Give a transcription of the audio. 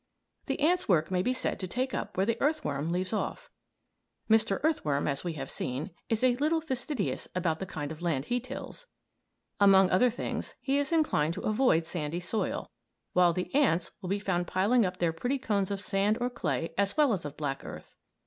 The ant's work may be said to take up where the earthworm leaves off. Mr. Earthworm, as we have seen, is a little fastidious about the kind of land he tills. Among other things, he is inclined to avoid sandy soil, while the ants will be found piling up their pretty cones of sand or clay as well as of black earth.